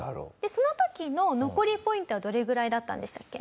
その時の残りポイントはどれぐらいだったんでしたっけ？